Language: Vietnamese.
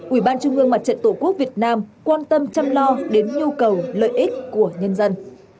ủy ban trung ương mặt trận tổ quốc việt nam quan tâm chăm lo đến nhu cầu lợi ích của nhân dân